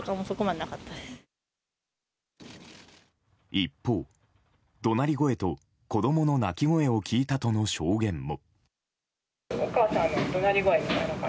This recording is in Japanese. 一方、怒鳴り声と子供の泣き声を聞いたとの証言も。